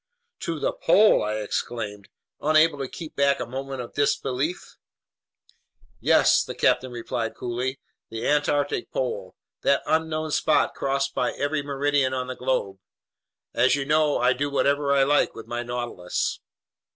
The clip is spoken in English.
"To the pole!" I exclaimed, unable to keep back a movement of disbelief. "Yes," the captain replied coolly, "the Antarctic pole, that unknown spot crossed by every meridian on the globe. As you know, I do whatever I like with my Nautilus."